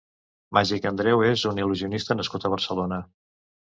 Màgic Andreu és un il·lusionista nascut a Barcelona.